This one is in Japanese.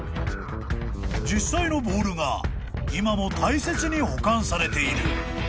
［実際のボールが今も大切に保管されている］